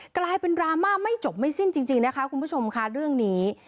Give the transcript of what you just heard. กลายเป็นดราม่าไม่จบไม่สิ้นจริงนะคะคุณผู้ชมค่ะเรื่องนี้